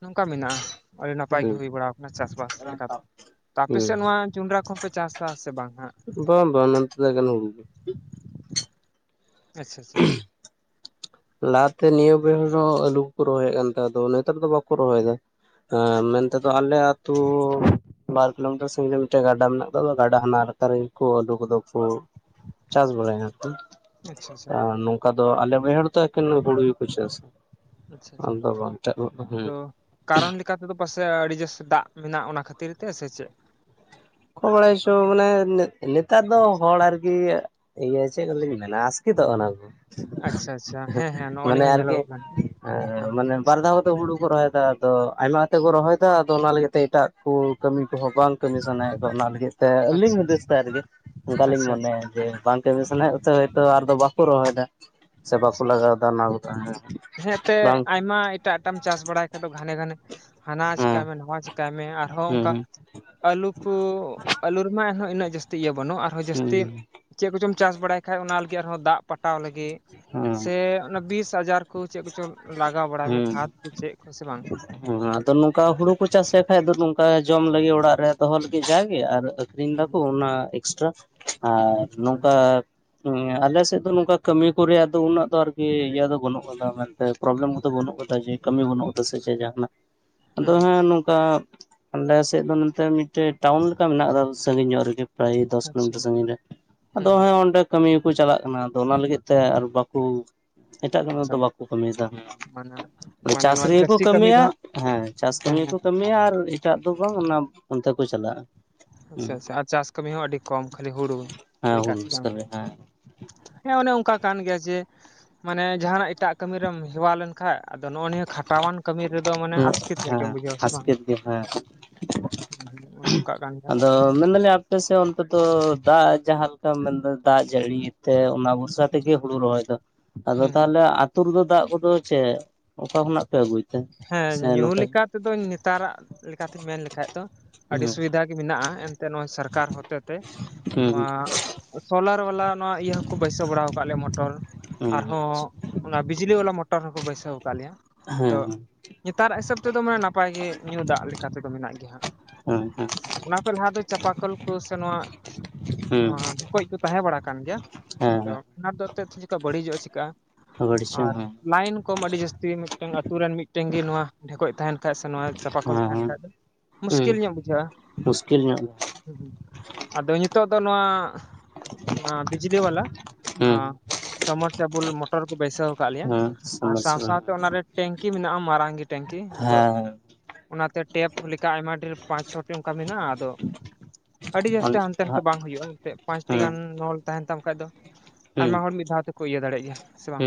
ᱱᱚᱝᱠᱟ ᱢᱮᱱᱟᱜᱼᱟ ᱾ ᱟᱹᱰᱤ ᱱᱟᱯᱟᱭ ᱜᱮ ᱦᱩᱸ ᱦᱩᱭ ᱵᱟᱲᱟᱣ ᱠᱟᱱᱟ ᱪᱟᱥᱼᱵᱟᱥ ᱞᱮᱠᱟᱛᱮ ᱾ ᱛᱚ ᱟᱯᱮᱥᱮᱫ ᱦᱩᱸ ᱱᱚᱣᱟ ᱡᱚᱸᱰᱨᱟ ᱠᱚᱦᱚᱯᱮ ᱪᱟᱥᱟ ᱥᱮ ᱵᱟᱝᱟ ᱦᱟᱸᱜ? ᱵᱟᱝ ᱵᱟᱝ ᱱᱚᱱᱛᱮ ᱫᱚ ᱮᱠᱮᱱ ᱦᱩᱲᱩ ᱜᱮ᱾ ᱟᱪᱪᱷᱟ ᱟᱪᱪᱷᱟ᱾ ᱞᱟᱦᱟᱛᱮ ᱱᱤᱭᱟᱹ ᱵᱟᱹᱭᱦᱟᱹᱲ ᱨᱮ ᱦᱚᱸ ᱟᱹᱞᱩ ᱠᱚᱠᱚ ᱨᱚᱦᱚᱭᱮᱫ ᱠᱟᱱ ᱛᱟᱦᱮᱸᱫ ᱟᱫᱚ ᱱᱮᱛᱟᱨ ᱫᱚ ᱵᱟᱠᱚ ᱨᱚᱦᱚᱭᱫᱟ ᱾ ᱦᱮᱸ ᱟᱪᱪᱷᱟ ᱢᱮᱱᱛᱮᱫᱚ ᱟᱞᱮ ᱟᱹᱛᱩ ᱵᱟᱨ ᱠᱤᱞᱳᱢᱤᱴᱟᱨ ᱥᱟᱜᱤᱧ ᱨᱮ ᱢᱤᱫᱴᱮᱱ ᱜᱟᱰᱟ ᱢᱮᱱᱟᱜ ᱠᱟᱫᱟ ᱜᱟᱰᱟ ᱦᱟᱱᱟ ᱞᱟᱛᱟᱨ ᱨᱮᱜᱮ ᱠᱚ ᱟᱹᱞᱩ ᱠᱚᱫᱚ ᱠᱚ ᱪᱟᱥ ᱵᱟᱲᱟᱭ ᱱᱚᱠᱛᱚ ᱟᱪᱪᱷᱟ ᱮ ᱱᱚᱝᱠᱟ ᱫᱚ ᱟᱞᱮ ᱵᱟᱹᱭᱦᱟᱹᱲ ᱛᱚ ᱮᱠᱮᱱ ᱦᱩᱲᱩ ᱜᱮᱠᱚ ᱪᱟᱥᱟ ᱟᱪᱪᱷᱟ ᱟᱪᱪᱷᱟ ᱟᱢ ᱫᱚ ᱵᱟᱝ [unintelligible] ᱦᱩᱸ ᱛᱚ ᱠᱟᱨᱚᱱ ᱞᱮᱠᱟᱛᱮᱫᱚ ᱯᱟᱥᱮᱡ ᱟᱹᱰᱤ ᱡᱟᱹᱥᱛᱤ ᱫᱟᱜ ᱢᱮᱱᱟᱜᱼᱟ ᱚᱱᱟ ᱠᱷᱟᱹᱛᱤᱨ ᱛᱮ ᱥᱮ ᱪᱮᱫ? ᱚᱠᱚ ᱵᱟᱲᱟᱭᱪᱚ ᱢᱟᱱᱮ ᱱᱮ ᱱᱮᱛᱟᱨ ᱫᱚ ᱦᱚᱲ ᱟᱨᱠᱤ ᱤᱭᱟᱹ ᱪᱮᱫ ᱠᱚ ᱞᱤᱧ ᱢᱮᱱᱟ ᱟᱥᱠᱤᱛᱚᱜ ᱠᱟᱱᱟ ᱟᱪᱪᱷᱟ ᱟᱪᱪᱷᱟ ᱦᱮᱸ ᱦᱮᱸ ᱠᱚ᱾ ᱱᱚᱜᱼᱚ ᱢᱟᱱᱮ ᱱᱤᱭᱟᱹ ᱦᱚᱸ ᱟᱨᱠᱤ ᱧᱮᱞᱚᱜᱚᱜ ᱠᱟᱱ ᱜᱮᱭᱟ ᱦᱮᱸ ᱢᱟᱱᱮ ᱟᱪᱪᱷᱟ ᱵᱟᱨ ᱫᱷᱟᱣ ᱠᱟᱛᱮ ᱦᱩᱲᱩ ᱠᱚ ᱨᱚᱦᱚᱭ ᱫᱟ᱾ ᱟᱫᱚ ᱟᱭᱢᱟ ᱠᱟ ᱛᱮ ᱠᱚ ᱨᱚᱦᱚᱭᱫᱟ ᱟᱫᱚ ᱚᱱᱟ ᱞᱟᱹᱜᱤᱫ ᱛᱮ ᱮᱴᱟᱜ ᱠᱚ ᱠᱟᱹᱢᱤ ᱠᱚᱦᱚᱸ ᱵᱟᱝ ᱠᱟᱹᱢᱤ ᱥᱟᱱᱟᱭᱮᱫ ᱠᱚᱣᱟ ᱚᱱᱟ ᱞᱟᱹᱜᱤᱫ ᱛᱮ ᱟᱹᱞᱤᱧ ᱟᱪᱪᱷᱟ ᱟᱪᱪᱷᱟ ᱦᱩᱫᱤᱥ ᱛᱟᱭ ᱨᱮᱜᱮ ᱚᱱᱠᱟᱞᱤᱧ ᱟᱪᱪᱷᱟ ᱟᱪᱪᱷᱟ ᱢᱚᱱᱮᱭᱟ ᱡᱮ ᱵᱟᱝ ᱠᱟᱢᱤ ᱥᱟᱱᱟᱭᱮᱫ ᱠᱚᱛᱮ ᱦᱚᱭᱛᱚ ᱟᱨ ᱫᱚ ᱵᱟᱠᱚ ᱨᱚᱦᱚᱭᱫᱟ ᱥᱮ ᱵᱟᱠᱚ ᱟᱪᱪᱷᱟ ᱞᱟᱜᱟᱣᱫᱟ ᱚᱱᱟ ᱠᱚᱫᱚ ᱦᱮᱸ᱾ ᱦᱮᱸ ᱮᱱᱛᱮ ᱟᱭᱢᱟ ᱮᱴᱟᱜ ᱮᱴᱟᱜ ᱪᱟᱥ ᱵᱟᱲᱟᱭ ᱠᱷᱟᱡ ᱫᱚ ᱜᱷᱟᱱᱮ ᱜᱷᱟᱱᱮ ᱦᱟᱱᱟ ᱦᱮᱸ ᱪᱤᱠᱟᱭ ᱢᱮ ᱱᱟᱣᱟ ᱪᱤᱠᱟᱭ ᱢᱮ ᱟᱨᱦᱚᱸ ᱦᱩᱸ ᱚᱝᱠᱟ ᱟᱹᱞᱩ ᱠᱚ ᱟᱹᱞᱩ ᱨᱮᱢᱟ ᱮᱱᱦᱚᱸ ᱩᱱᱟᱹᱜ ᱡᱟᱹᱥᱛᱤ ᱤᱭᱟᱹ ᱵᱟᱹᱱᱩᱜᱼᱟ ᱟᱨᱦᱚᱸ ᱦᱩᱸ ᱡᱟᱹᱥᱛᱤ ᱪᱮᱫ ᱠᱚᱪᱚᱢ ᱪᱟᱥ ᱵᱟᱲᱟᱭ ᱠᱷᱟᱡ ᱚᱱᱟ ᱞᱟᱹᱜᱤᱫ ᱟᱨᱦᱚᱸ ᱫᱟᱜ ᱯᱟᱴᱟᱣ ᱞᱟᱹᱜᱤᱫ ᱥᱮ ᱚᱱᱟ ᱵᱤᱥ ᱟᱡᱟᱨ ᱠᱚ ᱪᱮᱫ ᱠᱚᱪᱚ ᱞᱟᱜᱟᱣ ᱵᱟᱲᱟᱭ ᱢᱮ ᱠᱷᱟᱫᱽ ᱠᱚ ᱪᱮᱫ ᱠᱚ ᱥᱮ ᱵᱟᱝ? ᱦᱚᱸ ᱟᱫᱚ ᱱᱚᱝᱠᱟ ᱦᱩᱲᱩ ᱠᱚ ᱪᱟᱥᱮᱫ ᱠᱷᱟᱡ ᱫᱚ ᱱᱚᱝᱠᱟ ᱡᱚᱢ ᱞᱟᱹᱜᱤᱫ ᱚᱲᱟᱜ ᱨᱮ ᱫᱚᱦᱚ ᱞᱟᱹᱜᱤᱫ ᱡᱟᱜᱮ ᱟᱨ ᱟᱠᱷᱨᱤᱧ ᱦᱮᱸ ᱫᱟᱠᱚ ᱚᱱᱟ ᱮᱠᱥᱴᱨᱟ ᱟᱨ ᱱᱚᱝᱠᱟ ᱦᱮᱸ ᱟᱞᱮᱥᱮᱫ ᱫᱚ ᱱᱚᱝᱠᱟ ᱠᱟᱹᱢᱤ ᱠᱚ ᱨᱮᱭᱟᱜ ᱫᱚ ᱩᱱᱟᱹᱜ ᱫᱚ ᱟᱨᱠᱤ ᱤᱭᱟᱹ ᱫᱚ ᱵᱟᱹᱱᱩᱜ ᱠᱟᱫᱟ ᱢᱮᱱᱛᱮ ᱯᱨᱚᱵᱞᱮᱢ ᱠᱚᱫᱚ ᱵᱟᱹᱱᱩᱜ ᱠᱟᱫᱟ ᱡᱮ ᱠᱟᱹᱢᱤ ᱵᱟᱹᱱᱩᱜ ᱠᱟᱫᱟ ᱥᱮ ᱪᱮᱫ ᱡᱟᱦᱟᱸᱱᱟᱜ ᱟᱫᱚ ᱦᱮᱸ ᱱᱚᱝᱠᱟ ᱚᱞᱮ ᱥᱮᱫ ᱫᱚ ᱱᱚᱛᱮ ᱢᱤᱫᱴᱮᱡ ᱴᱟᱣᱩᱱ ᱞᱮᱠᱟ ᱢᱮᱱᱟᱜ ᱠᱟᱫᱟ ᱥᱟᱺᱜᱤᱧ ᱧᱚᱜ ᱨᱮᱜᱮ᱾ ᱯᱨᱟᱭ ᱫᱚᱥ ᱟᱪᱪᱷᱟ ᱠᱤᱞᱳᱢᱤᱴᱟᱨ ᱥᱟᱜᱤᱧ ᱨᱮ ᱟᱫᱚ ᱦᱮᱸ ᱚᱸᱰᱮ ᱠᱟᱹᱢᱤ ᱦᱚᱠᱚ ᱪᱟᱞᱟᱜ ᱠᱟᱱᱟ ᱟᱫᱚ ᱚᱱᱟ ᱞᱟᱹᱜᱤᱫ ᱛᱮ ᱟᱨ ᱵᱟᱠᱩ ᱮᱴᱟᱜ ᱠᱟᱹᱢᱤ ᱟᱪᱪᱷᱟ ᱫᱚ ᱵᱟᱠᱚ ᱠᱟᱹᱢᱤᱭᱫᱟ ᱢᱟᱱᱮ ᱢᱟᱱᱮ ᱪᱟᱥ ᱱᱚᱣᱟ ᱨᱮᱜᱮ ᱠᱚ ᱪᱟᱹᱥᱤ ᱠᱟᱹᱢᱤ ᱫᱚ ᱠᱟᱹᱢᱤᱭᱟ ᱦᱟᱸᱜ ᱦᱮᱸ ᱪᱟᱥ ᱦᱮᱸ ᱠᱟᱹᱢᱤ ᱜᱮ ᱠᱚ ᱠᱟᱹᱢᱤᱭᱟ ᱟᱨ ᱮᱴᱟᱜ ᱫᱚ ᱵᱟᱝ ᱚᱱᱟ ᱚᱱᱛᱮ ᱠᱚ ᱪᱟᱞᱟᱜᱼᱟ ᱾ ᱟᱪᱪᱷᱟ ᱟᱪᱪᱷᱟ ᱟᱨ ᱪᱟᱥ ᱠᱟᱹᱢᱤ ᱦᱚᱸ ᱟᱹᱰᱤ ᱠᱚᱢ ᱠᱷᱟᱹᱞᱤ ᱦᱩᱲᱩ ᱦᱮᱸ ᱞᱮᱠᱟ ᱦᱩᱲᱩ ᱥᱮ ᱵᱟᱝ? ᱨᱚᱥᱠᱟᱨ ᱨᱮ ᱦᱮᱸ ᱦᱮᱸ ᱚᱱᱮ ᱚᱱᱠᱟ ᱠᱟᱱ ᱜᱮᱭᱟ ᱡᱮ ᱢᱟᱱᱮ ᱡᱟᱦᱟᱸᱱᱟᱜ ᱮᱴᱟᱜ ᱠᱟᱹᱢᱤ ᱨᱮᱢ ᱦᱮᱣᱟ ᱞᱮᱱᱠᱷᱟᱱ ᱟᱫᱚ ᱠᱷᱟᱴᱟᱣᱟᱱ ᱠᱟᱹᱢᱤ ᱨᱮᱫᱚ ᱢᱟᱱᱮ ᱦᱮᱸ ᱟᱥᱠᱮᱛ ᱧᱚᱜ ᱜᱮᱢ ᱵᱩᱡᱷᱟᱹᱣᱟ ᱦᱮᱸ ᱥᱮ ᱵᱟᱝ, ᱦᱟᱥᱠᱮᱛ ᱜᱮ ᱦᱮᱸ ᱚᱱᱮ ᱚᱝ ᱟᱫᱚ ᱢᱮᱱ ᱫᱟᱞᱮ ᱟᱯᱮᱥᱮᱜ ᱚᱱᱛᱮ ᱫᱚ ᱫᱟᱜ ᱡᱟᱦᱟᱸᱮ ᱞᱮᱠᱟᱢ ᱢᱮᱱᱫᱟ ᱫᱟᱜ ᱡᱟᱹᱲᱤ ᱛᱮ ᱚᱱᱟ ᱵᱷᱚᱨᱥᱟ ᱛᱮᱜᱮ ᱦᱩᱲᱩ ᱨᱚᱦᱚᱭ ᱫᱚ ᱟᱫᱚ ᱦᱮᱸ ᱛᱟᱦᱚᱞᱮ ᱟᱛᱩ ᱨᱮᱫᱚ ᱫᱟᱜ ᱠᱚᱫᱚ ᱪᱮᱫ ᱚᱠᱟ ᱠᱷᱚᱱᱟᱜ ᱯᱮ ᱟᱹᱜᱩᱭ? ᱛᱮ ᱦᱮᱸ ᱥᱮ ᱧᱩ ᱱᱚᱝᱠᱟ ᱞᱮᱠᱟᱛᱮᱫᱚ ᱱᱮᱛᱟᱨᱟᱜ ᱞᱮᱠᱟᱛᱮᱧ ᱢᱮᱱᱞᱠᱷᱟᱡ ᱫᱚ ᱟᱹᱰᱤ ᱦᱩᱸ ᱥᱩᱵᱤᱫᱷᱟ ᱢᱮᱱᱟᱜ-ᱟ ᱮᱱᱛᱮ ᱱᱚᱜ-ᱚᱭ ᱥᱚᱨᱠᱟᱨ ᱦᱚᱛᱮᱛᱮ ᱦᱩᱸ ᱱᱚᱣᱟ ᱥᱳᱞᱟᱨ ᱵᱟᱞᱟ ᱱᱚᱣᱟ ᱤᱭᱟᱹ ᱦᱚᱸᱠᱚ ᱵᱟᱹᱭᱥᱟᱹ ᱵᱟᱲᱟᱣ ᱟᱠᱟᱫ ᱞᱮᱭᱟ ᱢᱚᱴᱚᱨ ᱦᱩᱸ ᱟᱨᱦᱚ ᱚᱱᱟ ᱵᱤᱡᱽᱞᱤ ᱚᱣᱟᱞᱟ ᱢᱚᱴᱚᱨ ᱦᱚᱸᱠᱚ ᱵᱟᱹᱭᱥᱟᱹᱣ ᱟᱠᱟᱫ ᱞᱮᱭᱟ᱾ ᱦᱮᱸ ᱦᱮᱸ᱾ ᱧᱮᱛᱟᱨᱟᱜ ᱦᱤᱥᱟᱹᱵ ᱛᱮᱫᱚ ᱢᱟᱱᱮ ᱱᱟᱯᱟᱭ ᱜᱮ ᱧᱩ ᱫᱟᱜ ᱞᱮᱠᱟ ᱛᱮᱫᱚ ᱢᱮᱱᱟᱜ ᱜᱮᱭᱟ ᱦᱟᱸᱟᱜ᱾ ᱦᱮᱸ ᱦᱮᱸ ᱦᱮᱸ ᱦᱮᱸ ᱚᱱᱟ ᱠᱷᱚᱡ ᱞᱟᱦᱟ ᱫᱚ ᱪᱟᱸᱯᱟ ᱠᱚᱞ ᱠᱚ ᱥᱮ ᱱᱚᱣᱟ ᱦᱮᱸ ᱱᱚᱣᱟ ᱰᱷᱮᱠᱚᱡ ᱠᱚ ᱛᱟᱦᱮᱸ ᱵᱟᱲᱟ ᱠᱟᱱᱟᱱ ᱜᱮᱭᱟ ᱟᱫᱚ ᱚᱱᱟᱫᱚ [unintelligible] ᱡᱚᱠᱷᱟᱡ ᱵᱟᱹᱲᱤᱡᱚᱜ-ᱟ ᱪᱤᱠᱟᱹᱜ-ᱟ᱾ ᱯᱷᱟᱹᱜᱟᱹᱲ [unintelligible] ᱞᱟᱭᱤᱱ ᱠᱚᱢ ᱟᱹᱰᱤ ᱡᱟᱹᱥᱛᱤ ᱢᱤᱫᱴᱟᱝ ᱟᱛᱩᱨ ᱨᱮᱱ ᱢᱤᱫᱴᱮᱱ ᱜᱮ ᱱᱚᱣᱟ ᱰᱷᱮᱠᱚᱡ ᱛᱟᱦᱮᱱ ᱠᱷᱟᱡ ᱥᱮ ᱱᱚᱣᱟ ᱪᱟᱸᱯᱟᱠᱞ ᱦᱮᱸ ᱛᱟᱦᱮᱱ ᱦᱮᱸ ᱠᱷᱟᱡ ᱫᱚ ᱦᱮᱸ ᱢᱩᱥᱠᱤᱞ ᱧᱚᱜ ᱵᱩᱡᱷᱟᱹᱜ-ᱟ᱾ ᱢᱩᱥᱠᱤᱞ ᱧᱚᱜ ᱜᱮ [unintelligible] ᱟᱫᱚ ᱱᱤᱛᱳᱜ ᱫᱚ ᱱᱚᱣᱟ ᱚᱱᱟ ᱵᱤᱡᱞᱤ ᱚᱣᱞᱟ ᱱᱚᱣᱟ ᱦᱮᱸ ᱥᱟᱢᱢᱟᱨᱥᱟᱞ ᱟᱵᱚ ᱢᱚᱴ ᱢᱚᱴᱚᱨ ᱠᱚ ᱵᱟᱹᱭᱥᱟᱹᱣ ᱟᱠᱟᱜ ᱞᱮᱭᱟ ᱟᱨ ᱥᱟᱶ ᱥᱟᱶᱛᱮ ᱚᱱᱟᱨᱮ ᱴᱮᱝᱠᱤ ᱢᱮᱱᱟᱜ-ᱟ ᱢᱟᱨᱟᱝ ᱜᱮ ᱴᱮᱝᱠᱤ ᱟᱫᱚ ᱚᱱᱟᱛᱮ ᱴᱮᱯ ᱞᱮᱠᱟ ᱟᱭᱢᱟ ᱰᱷᱮᱨᱯ ᱯᱟᱸᱪ, ᱪᱷᱚ ᱛᱮ ᱚᱝᱠᱟ ᱢᱮᱱᱟᱜ-ᱟ ᱟᱫᱚ ᱟᱹᱰᱤ ᱡᱟᱹᱥᱛᱤ ᱦᱟᱱᱛᱮ ᱱᱟᱛᱮ ᱵᱟᱝ ᱦᱩᱭᱩᱜ-ᱟ ᱮᱱᱛᱮᱫ ᱯᱟᱸᱪᱴᱤ ᱜᱟᱱ ᱱᱚᱞ ᱛᱟᱦᱮᱸᱱ ᱛᱟᱢ ᱠᱷᱟᱡ ᱫᱚ ᱟᱭᱢᱟ ᱦᱚᱲ ᱢᱤᱫ ᱫᱷᱟᱣ ᱛᱮᱠᱚ ᱤᱭᱟᱹ ᱫᱟᱲᱮᱭᱟᱜ ᱜᱮᱭᱟ ᱥᱮ ᱵᱟᱝ?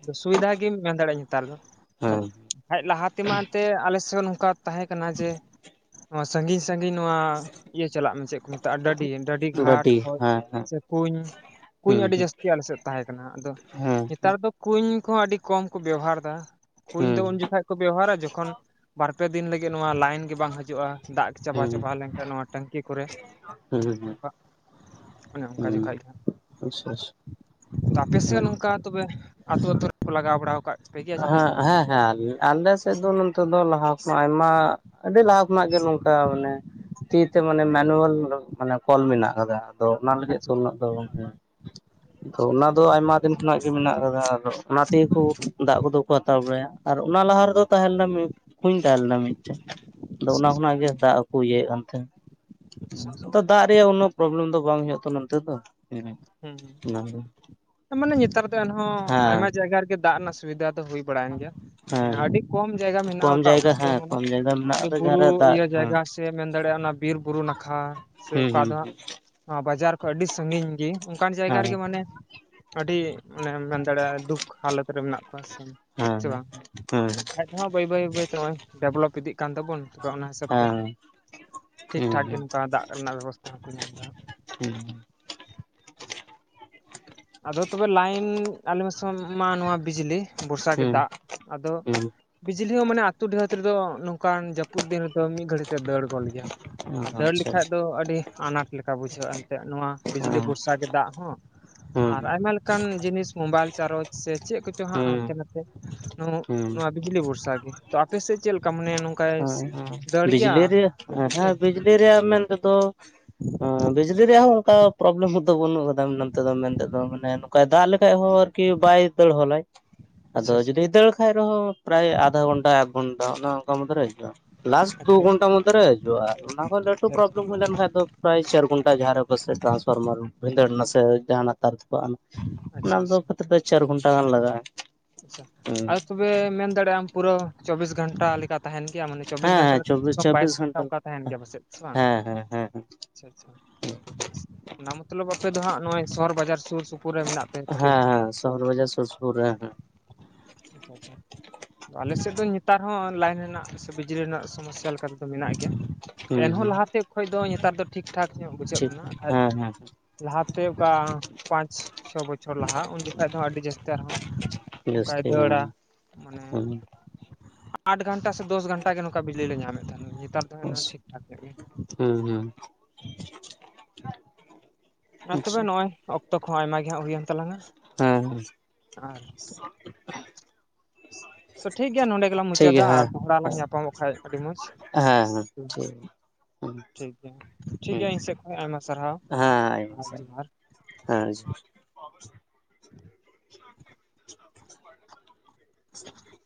ᱟᱫᱚ ᱥᱩᱵᱤᱫᱷᱟ ᱜᱮᱢ ᱢᱮᱱ ᱫᱟᱲᱮᱭᱟᱜ-ᱟ ᱧᱮᱛᱟᱨ ᱫᱚ᱾ ᱦᱮᱸ᱾ ᱦᱮᱡᱽ ᱞᱟᱦᱟ ᱛᱮᱢᱟ ᱮᱱᱛᱮᱜ ᱟᱞᱮᱥᱮᱜ ᱦᱚ ᱱᱚᱝᱠᱟ ᱛᱟᱦᱮᱸ ᱠᱟᱱᱟᱱᱟ ᱡᱮ ᱱᱚᱣᱟ ᱥᱟᱺᱜᱤᱧ ᱥᱟᱺᱜᱤᱧ ᱱᱚᱣᱟ ᱤᱭᱟᱹ ᱪᱟᱞᱟᱜ ᱢᱮ ᱪᱮᱫ ᱠᱚ ᱢᱮᱛᱟᱜ-ᱟ ᱰᱟᱹᱰᱤ ᱰᱟᱹᱰᱤ ᱜᱷᱟᱴ ᱜᱟᱹᱰᱤ ᱦᱮᱸ [unintelligible] ᱥᱮ ᱠᱩᱧ᱾ ᱠᱩᱧ ᱟᱹᱰᱤ ᱦᱮᱸ ᱡᱟᱹᱥᱛᱤ ᱟᱞᱮᱥᱮᱜ ᱛᱟᱦᱮᱸ ᱠᱟᱱᱟ ᱟᱫᱚ ᱦᱩᱸ ᱦᱩᱸ ᱧᱮᱛᱟᱨ ᱫᱚ ᱠᱩᱧ ᱠᱚᱦᱚᱸ ᱟᱹᱰᱤ ᱠᱚᱢ ᱠᱚ ᱵᱮᱣᱦᱟᱨ ᱮᱫᱟ ᱠᱩᱧ ᱫᱚ ᱦᱩᱸ ᱩᱱ ᱡᱚᱠᱷᱟᱡ ᱠᱚ ᱵᱮᱣᱦᱟᱨᱟ ᱡᱚᱠᱷᱚᱱ ᱵᱟᱨ ᱯᱮ ᱫᱤᱱ ᱞᱟᱹᱜᱤᱫ ᱱᱚᱣᱟ ᱞᱟᱤᱱ ᱜᱮ ᱵᱟᱝ ᱦᱤᱡᱩᱜ-ᱟ ᱫᱟᱜ ᱪᱟᱵᱟ ᱦᱩᱸ ᱪᱟᱵᱟ ᱞᱮᱱᱠᱷᱟᱱ ᱱᱚᱣᱟ ᱴᱮᱝᱠᱤ ᱠᱚᱨᱮ ᱦᱩᱸ ᱚᱠᱟ ᱚᱱᱮ ᱚᱱᱠᱟ ᱦᱩᱸ ᱡᱚᱠᱷᱚᱡ ᱜᱮ ᱦᱟᱸᱜ᱾ ᱟᱪᱪᱷᱟ ᱟᱪᱪᱷᱟ ᱛᱚ ᱟᱯᱮᱥᱮᱜ ᱦᱩᱸ ᱱᱚᱝᱠᱟ ᱛᱚᱵᱮ ᱟᱛᱩ ᱟᱛᱩ ᱨᱮᱠᱚ ᱞᱟᱜᱟᱣ ᱵᱟᱲᱟ ᱟᱠᱟᱫ ᱯᱮ ᱜᱮᱭᱟ ᱡᱟᱹᱱᱤ? ᱦᱮᱸ ᱦᱮᱸ ᱦᱮᱸ ᱟᱞ [unintelligible] ᱟᱞᱮ ᱥᱮᱫ ᱫᱚ ᱱᱚᱱᱛᱮ ᱫᱚ ᱞᱟᱦᱟᱸ ᱠᱷᱚᱱᱟᱜ ᱟᱭᱢᱟ ᱟᱹᱰᱤ ᱞᱟᱦᱟᱸ ᱠᱷᱚᱱᱟᱜ ᱜᱮ ᱱᱚᱝᱠᱟ ᱢᱟᱱᱮ ᱛᱤ ᱛᱮ ᱢᱟᱱᱮ ᱢᱮᱱᱩᱣᱟᱞ ᱢᱟᱱᱮ ᱠᱚᱞ ᱢᱮᱱᱟᱜ ᱟᱠᱟᱫᱟ᱾ ᱟᱫᱚ ᱚᱱᱟ ᱞᱟᱹᱜᱤᱫ ᱛᱚ ᱟᱪᱪᱷᱟ ᱩᱱᱟᱹᱜ ᱫᱚ ᱦᱩᱸ ᱛᱷᱚ ᱟᱪᱪᱷᱟ ᱚᱱᱟ ᱟᱪᱪᱷᱟ ᱫᱚ ᱟᱭᱢᱟ ᱫᱤᱱ ᱠᱷᱚᱱᱟᱜ ᱜᱮ ᱢᱮᱱᱟᱜ ᱟᱠᱟᱫᱟ ᱟᱫᱚ ᱚᱱᱟ ᱛᱮᱜᱮ ᱠᱚ ᱫᱟᱜ ᱠᱚᱫᱚ ᱠᱚ ᱦᱟᱛᱟᱣ ᱵᱟᱲᱟᱭᱟ ᱟᱨ ᱚᱱᱟ ᱞᱟᱦᱟ ᱨᱮᱫᱚ ᱛᱟᱦᱮᱸ ᱞᱮᱱᱟ ᱠᱩᱧ ᱛᱟᱦᱮᱸ ᱞᱮᱱᱟ ᱢᱤᱫᱴᱮᱡ᱾ ᱟᱫᱚ ᱟᱪᱪᱷᱟ ᱚᱱᱟ ᱠᱷᱚᱱᱟᱜ ᱜᱮ ᱫᱟᱜ ᱠᱚ ᱤᱭᱟᱹᱭᱮᱜ ᱠᱟᱱ ᱛᱟᱦᱮᱸᱱ ᱟᱪᱪᱷᱟ ᱟᱪᱪᱷᱟ ᱟᱫᱟᱜ ᱨᱮᱭᱟᱜ ᱚᱱᱱᱚ ᱯᱨᱚᱵᱞᱮᱢ ᱫᱚ ᱵᱟᱝ ᱦᱩᱭᱩᱜ-ᱟ ᱛᱚ ᱱᱚᱱᱛᱮ ᱫᱚ ᱦᱩᱸ ᱦᱩᱸ᱾ ᱦᱩᱸ ᱦᱩᱸ ᱦᱮᱸ ᱢᱟᱱᱮ ᱧᱮᱛᱟᱨ ᱫᱚ ᱮᱱᱦᱚᱸ ᱦᱮᱸ ᱟᱭᱢᱟ ᱡᱟᱭᱜᱟ ᱨᱮᱜᱮ ᱫᱟᱜ ᱨᱮᱱᱟᱜ ᱥᱩᱵᱤᱫᱷᱟ ᱫᱚ ᱦᱩᱭ ᱵᱟᱲᱟᱭᱮᱱ ᱜᱮᱭᱟ ᱦᱮᱸ ᱟᱹᱰᱤ ᱠᱚᱢ ᱡᱟᱭᱜᱟ ᱢᱮᱱᱟᱜ-ᱟ ᱠᱚᱢ ᱚᱠᱟ ᱚᱠᱟ ᱡᱟᱭᱜᱟ ᱫᱚ ᱦᱮᱸ ᱢᱟᱱᱮ ᱠᱚᱢ ᱡᱟᱭᱜᱟ ᱢᱮᱱᱟᱜ ᱟᱹᱰᱤ ᱟᱠᱟᱫᱟ ᱵᱩᱨᱩ ᱡᱟᱦᱟᱸᱨᱮ ᱫᱟᱜ ᱤᱭᱟᱹ ᱦᱮᱸ ᱡᱟᱭᱜᱟ ᱥᱮ ᱢᱮᱱ ᱫᱟᱲᱮᱭᱟᱜ-ᱟ ᱚᱱᱟ ᱵᱤᱨ, ᱵᱩᱨᱩ ᱱᱟᱠᱷᱟ ᱥᱮ ᱦᱩᱸ ᱚᱠᱟ ᱦᱩᱸ ᱫᱚ ᱦᱟᱸᱜ ᱱᱚᱣᱟ ᱵᱟᱡᱟᱨ ᱠᱷᱚᱡ ᱟᱹᱰᱤ ᱥᱟᱺᱜᱤᱧ ᱜᱮ ᱚᱱᱠᱟᱱ ᱡᱟᱭᱜᱟ ᱦᱮᱸ ᱨᱮᱜᱮ ᱢᱟᱱᱮ ᱟᱹᱰᱤ ᱚᱱᱮᱢ ᱢᱮᱱ ᱫᱟᱲᱮᱭᱟᱜᱼᱟ ᱫᱩᱠ ᱦᱟᱞᱚᱛ ᱨᱮ ᱢᱮᱱᱟᱜ ᱠᱚᱣᱟ ᱥᱮ ᱦᱮᱸ ᱦᱮᱸ ᱦᱮᱸ ᱦᱩᱸ ᱵᱟᱝ, ᱦᱚ ᱵᱟᱹᱭ ᱵᱟᱹᱭ ᱵᱟᱹᱭ ᱱᱚᱜᱼᱚᱭ ᱰᱮᱵᱷᱞᱚᱯ ᱤᱫᱤᱜ ᱛᱟᱵᱚᱱ᱾ ᱛᱚᱵᱮ ᱚᱱᱟ ᱦᱤᱥᱟᱹᱵ ᱛᱮ ᱴᱷᱤᱠ ᱴᱷᱟᱠ ᱜᱮ ᱱᱚᱝᱠᱟ ᱫᱟᱜ ᱨᱮᱱᱟᱜ ᱵᱮᱵᱚᱥᱛᱛᱟ ᱦᱚᱸᱠᱚ ᱧᱟᱢ ᱮᱫᱟ᱾ ᱦᱮᱸ᱾ ᱟᱫᱚ ᱛᱚᱵᱮ ᱞᱟᱭᱤᱱ ᱟᱞᱮ ᱢᱮ ᱢᱟ ᱱᱚᱣᱟ ᱵᱤᱡᱽᱞᱤ ᱵᱚᱨᱥᱟ ᱜᱮ ᱦᱩᱸ ᱫᱟᱜ ᱟᱫᱚ ᱦᱩᱸ ᱵᱤᱡᱽᱞᱤ ᱦᱚᱸ ᱢᱟᱱᱮ ᱟᱛ ᱰᱤᱦᱟᱹᱛ ᱨᱮᱫᱚ ᱱᱚᱝᱠᱟᱱ ᱡᱟᱹᱯᱩᱫ ᱫᱤᱱ ᱨᱮᱫᱚ ᱢᱤᱫ ᱜᱷᱟᱹᱲᱤᱡ ᱛᱮ ᱫᱟᱹᱲ ᱜᱚᱫ ᱞᱮᱭᱟ᱾ ᱦᱩᱸ ᱟᱨ ᱫᱟᱹᱲ ᱟᱪᱪᱷᱟ ᱞᱮᱠᱷᱟᱡ ᱫᱚ ᱟᱪᱪᱷᱟ ᱟᱹᱰᱤ ᱟᱱᱟᱴ ᱞᱮᱠᱟ ᱵᱩᱡᱷᱟᱹᱜᱼᱟ ᱮᱱᱛᱮᱜ ᱱᱚᱣᱟ ᱵᱤᱡᱽᱞᱤ ᱦᱮᱸ ᱵᱷᱚᱨᱥᱟ ᱜᱮ ᱫᱟᱜ ᱦᱚᱸ ᱟᱨ ᱦᱩᱸ ᱟᱭᱢᱟ ᱞᱮᱠᱟᱱ ᱡᱤᱱᱤᱥ ᱢᱚᱵᱟᱭᱤᱞ ᱪᱟᱨᱚᱡᱽ ᱥᱮ ᱪᱮᱫ, ᱠᱚᱪᱚ ᱦᱟᱸᱜ ᱦᱩᱸ ᱦᱟᱱᱛᱮ ᱱᱟᱛᱮ ᱱᱩ ᱦᱩᱸ ᱱᱚᱣᱟ ᱵᱤᱡᱽᱞᱤ ᱵᱷᱚᱨᱥᱟ ᱜᱮ ᱛᱚ ᱟᱯᱮᱮᱥᱮᱫ ᱪᱮᱫ ᱞᱮᱠᱟ ᱢᱟᱱᱟᱭᱟ᱾ ᱦᱟ ᱵᱤᱡᱽᱞᱤ ᱨᱮᱭᱟᱜ ᱡᱟᱹᱯᱩᱫ ᱦᱮᱸ ᱫᱤᱱ ᱵᱤᱡᱽᱞᱤ ᱨᱮᱭᱟᱜ ᱢᱮᱱ ᱛᱮᱫᱚ ᱵᱤᱡᱽᱞᱤ ᱨᱮᱭᱟᱜ ᱦᱚᱸ ᱚᱱᱠᱟ ᱯᱨᱚᱵᱽᱞᱮᱢ ᱫᱚ ᱵᱟᱹᱱᱩᱜ ᱟᱠᱟᱫᱟ ᱱᱛᱮ ᱫᱚ ᱢᱮᱱᱛᱮᱫᱚ ᱢᱟᱱᱮ ᱱᱚᱝᱠᱟᱭ ᱫᱟᱜ ᱞᱮᱠᱷᱟᱡ ᱦᱚᱲ ᱠᱤ ᱵᱟᱭ ᱫᱟᱹᱲ ᱦᱚᱞᱟᱭ, ᱟᱫᱚ ᱟᱪᱪᱷᱟ ᱟᱪᱪᱷᱟ ᱡᱩᱫᱤ ᱫᱟᱹᱲ ᱠᱷᱟᱡ ᱨᱮᱦᱚᱸ ᱯᱨᱟᱭ ᱟᱫᱷᱟ ᱜᱷᱚᱱᱴᱟ ᱮᱠ ᱜᱷᱚᱱᱴᱟ ᱚᱱᱮ ᱚᱱᱠᱟ ᱢᱚᱫᱽᱷᱮ ᱨᱮ ᱦᱤᱡᱩᱜᱼᱟ᱾ ᱞᱟᱥᱴ ᱫᱩ ᱟᱪᱪᱷᱟ ᱜᱷᱚᱱᱴᱟ ᱢᱚᱫᱽᱫᱷᱮᱨᱮ ᱦᱤᱡᱩᱜᱼᱟ ᱟᱨ ᱚᱱᱟ ᱠᱷᱚᱱ ᱞᱟᱹᱴᱩ ᱟᱪᱪᱷᱟ ᱯᱨᱚᱵᱞᱮᱢ ᱦᱩᱭ ᱞᱮᱱ ᱠᱷᱟᱱᱡ ᱫᱚ ᱯᱨᱟᱭ ᱪᱟᱹᱨ ᱜᱷᱚᱱᱴᱟ ᱡᱟᱨᱮ ᱠᱚ ᱥᱮ ᱴᱨᱟᱱᱥ ᱯᱷᱟᱨᱢᱟᱨ ᱵᱷᱤᱰᱟᱰ ᱱᱟᱥᱮ ᱡᱟᱦᱱᱟᱜ ᱛᱟᱨ ᱚᱱᱟ ᱟᱪᱪᱷᱟ ᱫᱚ ᱟᱪᱪᱷᱟ ᱠᱷᱛ ᱫᱚ ᱪᱟᱨ ᱜᱷᱚᱱᱴᱟ ᱜᱟᱱ ᱞᱟᱜᱟᱜᱼᱟ ᱟᱪᱪᱷᱟ ᱦᱮᱸ᱾ ᱟᱨ ᱛᱚᱵᱮ ᱢᱮᱱ ᱫᱟᱲᱮᱭᱟᱜᱼᱟᱢ ᱯᱩᱨᱟᱹ ᱪᱚᱵᱵᱤᱥ ᱜᱷᱚᱱᱴᱟ ᱞᱮᱠᱟᱛᱮ ᱛᱟᱦᱮᱱ ᱜᱮᱭᱟ ᱢᱟᱱᱮ ᱪᱚᱵᱵᱤᱥ ᱜᱷᱚᱱᱴᱟ ᱦᱮᱸ ᱨᱮ ᱠᱚᱢ ᱥᱮ ᱪᱚᱵᱵᱤᱥ ᱠᱚᱢ ᱪᱚᱵᱵᱤᱥ ᱵᱟᱭᱤᱥ ᱜᱷᱚᱱᱴᱟ ᱚᱱᱠᱟ ᱛᱟᱦᱮᱱ ᱜᱮᱭᱟ ᱯᱟᱥᱮᱡ ᱥᱮ ᱵᱟᱝ? ᱦᱮᱸ ᱦᱮᱸ ᱦᱮᱸ ᱟᱪᱷᱟ ᱟᱪᱪᱷᱟ ᱚᱱᱟ ᱢᱚᱛᱞᱚᱵ ᱟᱯᱮ ᱫᱚ ᱦᱟᱸᱜ ᱱᱚᱜᱚᱭ ᱥᱚᱦᱚᱨ ᱵᱟᱡᱟᱨ ᱥᱩᱨ ᱥᱩᱯᱩᱨ ᱨᱮ ᱢᱮᱱᱟᱜ ᱯᱮ ᱠᱷᱟᱹᱛᱤᱨ ᱦᱮᱸ ᱦᱮᱸ, ᱥᱮ ᱵᱟᱝ? ᱥᱚᱦᱚᱨ ᱵᱟᱡᱟᱨ ᱥᱩᱨ ᱥᱩᱯᱩᱨ ᱦᱮᱸ ᱦᱮᱸ᱾ ᱟᱪᱪᱷᱟ ᱟᱪᱪᱷᱟ᱾ ᱟᱞᱮ ᱥᱮᱫ ᱫᱚ ᱱᱮᱛᱟᱨ ᱦᱚᱸ ᱞᱟᱭᱤᱱ ᱨᱮᱱᱟᱜ ᱥᱮ ᱵᱤᱡᱽᱞᱤ ᱨᱮᱱᱟᱜ ᱥᱚᱢᱚᱥᱥᱟ ᱞᱮᱠᱟᱛᱮᱫᱚ ᱢᱮᱱᱟᱜ ᱜᱮᱭᱟ᱾ ᱦᱩᱸ ᱮᱱᱦᱚᱸ ᱦᱩᱸ ᱞᱟᱦᱟᱛᱮ ᱠᱷᱚᱱ ᱫᱚ ᱱᱮᱛᱟᱨ ᱫᱚ ᱴᱷᱤᱠ ᱴᱷᱟᱠ ᱧᱚᱜ ᱵᱩᱡᱷᱟᱹᱜ ᱴᱷᱤᱠ ᱠᱟᱱᱟ ᱦᱮᱸ ᱦᱮᱸ ᱞᱟᱦᱟᱛᱮ ᱚᱠᱟ ᱯᱟᱸᱪ ᱪᱷᱚ ᱵᱚᱪᱷᱚᱨ ᱞᱟᱦᱟᱜ ᱩᱱ ᱫᱚ ᱟᱹᱰᱤ ᱡᱟᱹᱥᱛᱤ ᱟᱨᱦᱚᱸ ᱚᱱᱠᱟᱭ ᱡᱟᱹᱥᱛᱤ ᱦᱮᱸ ᱢᱟᱱᱮ ᱦᱮᱸ ᱟᱴ ᱜᱷᱚᱱᱴᱟ ᱥᱮ ᱫᱚᱥ ᱜᱷᱚᱱᱴᱟ ᱵᱤᱡᱽᱞᱤ ᱞᱮ ᱧᱟᱢᱮᱫ ᱛᱟᱦᱮᱱᱟ ᱱᱮᱛᱟᱨ ᱫᱚ ᱴᱷᱤᱠ ᱴᱷᱟᱠ ᱜᱮᱭᱟ᱾ ᱦᱮᱸ ᱦᱩᱸ᱾ ᱟᱨ ᱛᱚᱵᱮ ᱟᱪᱪᱷᱟ ᱱᱚᱜ-ᱚᱭ ᱚᱠᱛᱚ ᱠᱚᱦᱚᱸ ᱟᱭᱢᱟ ᱜᱮ ᱦᱟᱜ ᱦᱩᱭᱮᱱ ᱛᱟᱞᱟᱝᱟ ᱦᱮᱸ ᱦᱮᱸ᱾ ᱟᱨ ᱛᱚ ᱴᱷᱤᱠ ᱜᱮᱭᱟ ᱱᱚᱰᱮ ᱜᱮᱞᱟᱝ ᱴᱷᱤᱠ ᱢᱩᱪᱟᱹᱫᱟ ᱜᱮᱭᱟ ᱟᱨ ᱦᱮᱸ ᱫᱚᱲᱟ ᱞᱟᱝ ᱦᱮᱸ ᱧᱟᱯᱟᱢᱚᱜ ᱠᱷᱟᱱ ᱟᱹᱰᱤ ᱢᱚᱸᱡᱽ ᱦᱩᱸ᱾ ᱴᱷᱤᱠ ᱴᱷᱤᱠ ᱜᱮᱭᱟ ᱤᱧ ᱥᱮᱫ ᱠᱷᱚᱱ ᱟᱭᱢᱟ ᱥᱟᱨᱦᱟᱣ ᱦᱩᱸ ᱦᱮᱸ ᱡᱚᱦᱟᱨ᱾ ᱦᱮᱸ᱾ [inaudible]